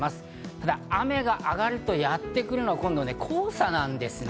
ただ雨があがるとやってくるのが今度、黄砂なんですね。